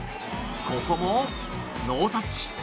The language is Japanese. ここも、ノータッチ！